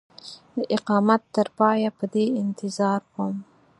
د اقامت تر پایه په دې انتظار وم.